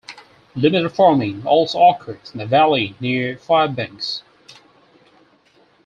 Limited farming also occurs in the valley near Fairbanks.